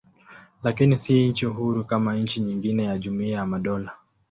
Lakini si nchi huru kama nchi nyingine za Jumuiya ya Madola.